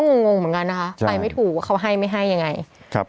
งงเหมือนกันนะคะไปไม่ถูกว่าเขาให้ไม่ให้ยังไงครับ